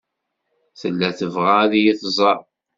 Tella tebɣa ad iyi-tẓer.